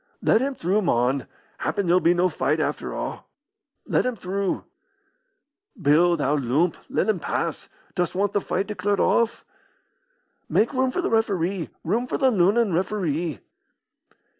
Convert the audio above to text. "Let him through, mon. Happen there'll be no fight after a'." "Let him through." "Bill, thou loomp, let him pass. Dost want the fight declared off?" "Make room for the referee! room for the Lunnon referee!"